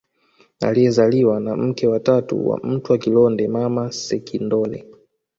Aliyezaliwa na mke wa tatu wa Mtwa Kilonge Mama Sekindole